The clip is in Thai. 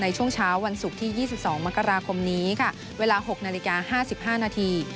ในช่วงเช้าวันศุกร์ที่๒๒มกราคมนี้ค่ะเวลา๖นาฬิกา๕๕นาที